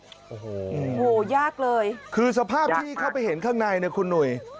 โอ้โหยากเลยคือสภาพที่เข้าไปเห็นข้างในเนี่ยคุณหนุ่ย